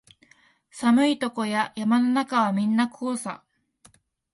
寒いとこや山の中はみんなこうさ